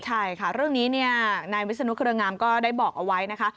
ใช่ค่ะเรื่องนี้เนี่ยนายวิศนุเครืองามก็ได้บอกเอาไว้นะคะ